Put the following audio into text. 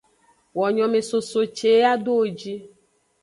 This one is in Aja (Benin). Wo nyomesoso ce yi ado wo ji.